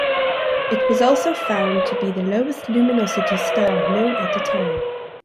It was also found to be the lowest-luminosity star known at the time.